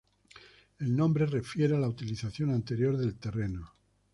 El nombre refiere a la utilización anterior del terreno.